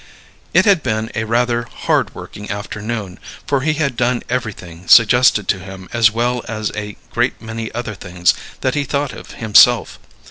It had been a rather hard working afternoon, for he had done everything suggested to him as well as a great many other things that he thought of himself.